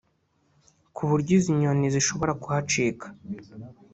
ku buryo izi nyoni zishobora kuhacika